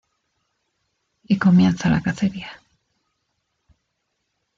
Y comienza la cacería.